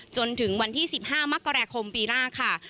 จนถึงวันที่๑๕มกราคมปีหน้าค่ะ